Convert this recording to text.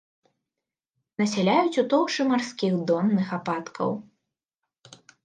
Насяляюць у тоўшчы марскіх донных ападкаў.